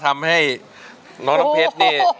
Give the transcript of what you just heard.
ก็ทำให้น้องน้องเพชร